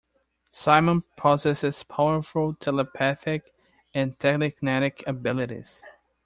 Psimon possesses powerful telepathic and telekinetic abilities.